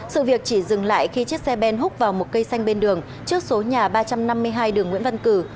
sự việc chỉ dừng lại khi chiếc xe ben hút vào một cây xanh bên đường trước số nhà ba trăm năm mươi hai đường nguyễn văn cử